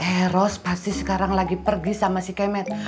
heros pasti sekarang lagi pergi sama si kemet